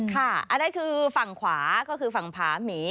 อันนั้นคือฝั่งขวาก็คือฝั่งผาหมี